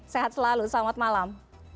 sehat selalu selamat malam